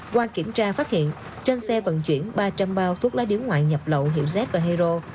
qua kiểm tra phát hiện trên xe vận chuyển ba trăm linh bao thuốc lá điếu ngoại nhập lậu hiệu z và hero